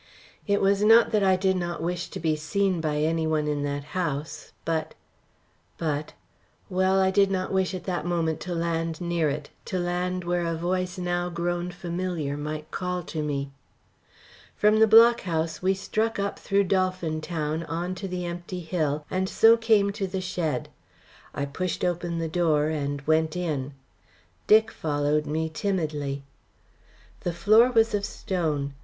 It was not that I did not wish to be seen by any one in that house. But but well, I did not wish at that moment to land near it to land where a voice now grown familiar might call to me. From the Block House we struck up through Dolphin Town on to the empty hill, and so came to the shed. I pushed open the door and went in. Dick followed me timidly. The floor was of stone.